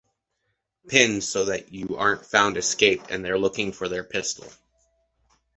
Pin so that you aren’t found escaped and they’re looking for their pistol